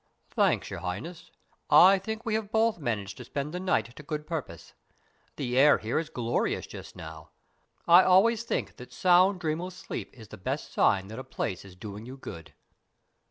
"Thanks, Your Highness, I think we have both managed to spend the night to good purpose. The air here is glorious just now. I always think that sound, dreamless sleep is the best sign that a place is doing you good."